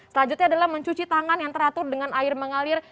selanjutnya adalah mencuci tangan yang teratur dengan air mengalir